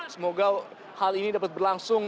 semoga hal ini dapat berlangsung